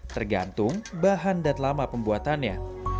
tergantung bahan dan lama pembuatannya